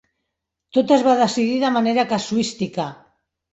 Tot es va decidir de manera casuística.